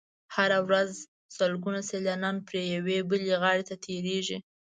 هره ورځ سلګونه سیلانیان پرې یوې بلې غاړې ته تېرېږي.